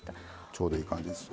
ちょうどいい感じです。